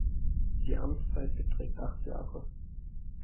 Die Amtszeit beträgt acht Jahre.